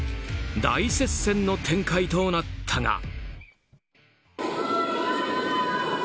大接戦の展開となったが。